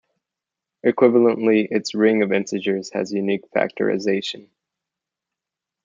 Equivalently, its ring of integers has unique factorization.